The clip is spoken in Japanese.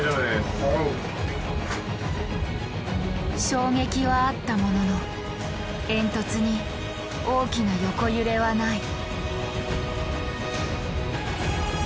衝撃はあったものの煙突に大きな横揺れはない。